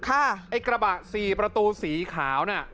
ไอ้กระบะสี่ประตูสีขาวน่ะ